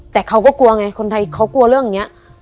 แต่เขาก็กลัวไงคนไทยเขากลัวเรื่องนี้